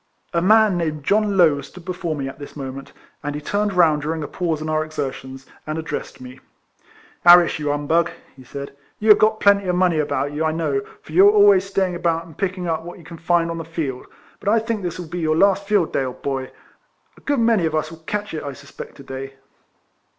A man named John Low stood before me KIFLEMAN HARRIS. 59 at this moment, and he turned round during a pause in our exertions, and addressed me :" Harris, you humbug," he said, " you have got plenty of money about you, I know ; for you are always staying about and' picking up what you can find on the field. But I think this will be your last field day, old boy. A good many of us will catch it, I suspect, to day."